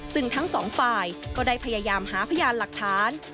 ซึ่งทั้งสองฝ่ายก็ได้พยายามหาพยานหลักฐาน